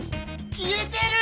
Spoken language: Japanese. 消えてる！